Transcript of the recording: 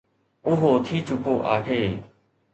اهو ٿي چڪو آهي.